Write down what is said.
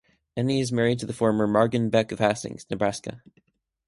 Edney is married to the former Margon Beck of Hastings, Nebraska.